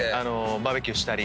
バーベキューしたり。